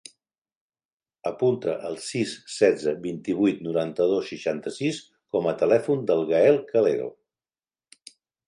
Apunta el sis, setze, vint-i-vuit, noranta-dos, seixanta-sis com a telèfon del Gaël Calero.